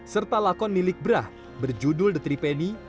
serta lakon milik brah berjudul the tripeny